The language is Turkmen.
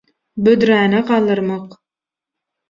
büdräni galdyrmak